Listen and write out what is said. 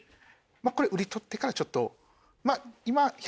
これ売り取ってからちょっと。